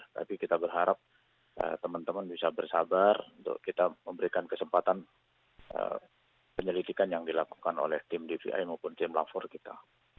tapi kita berharap teman teman bisa bersabar untuk kita memberikan kesempatan penyelidikan yang dilakukan oleh tim dvi maupun tim lafor kita